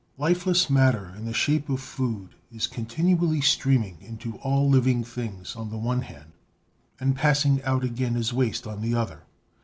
Lifeless matter in the shape of food is continually streaming into all living things on the one hand and passing out again as waste on the other.